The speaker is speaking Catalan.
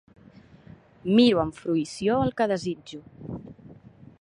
Miro amb fruïció el que desitjo.